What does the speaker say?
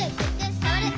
さわる！」